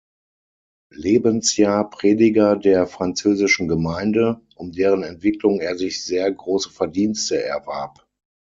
Lebensjahr Prediger der französischen Gemeinde, um deren Entwicklung er sich sehr große Verdienste erwarb.